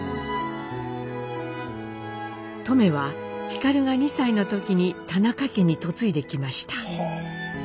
トメは皓が２歳の時に田中家に嫁いできました。